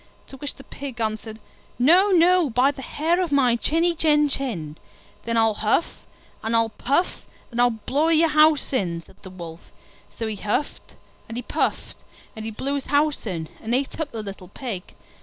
To which the Pig answered, "No, no, by the hair of my chinny chin chin." "Then I'll huff and I'll puff, and I'll blow your house in!" said the Wolf. So he huffed and he puffed, and he blew his house in, and ate up the little Pig.